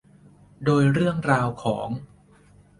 โดยเรื่องราวของ